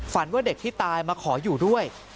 ว่าเด็กที่ตายมาขออยู่ด้วย